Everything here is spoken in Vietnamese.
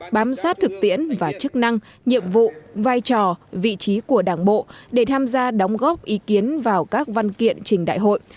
bám sát thực tiễn và chức năng nhiệm vụ vai trò vị trí của đảng bộ để tham gia đóng góp ý kiến vào các văn kiện trình đại hội